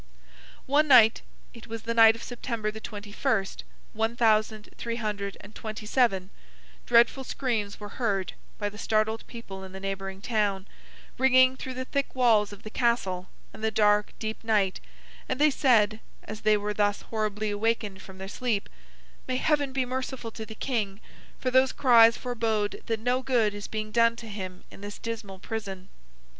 One night—it was the night of September the twenty first, one thousand three hundred and twenty seven—dreadful screams were heard, by the startled people in the neighbouring town, ringing through the thick walls of the Castle, and the dark, deep night; and they said, as they were thus horribly awakened from their sleep, 'May Heaven be merciful to the King; for those cries forbode that no good is being done to him in his dismal prison!